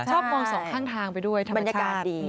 ชอบมองสองข้างทางไปด้วยธรรมชาติ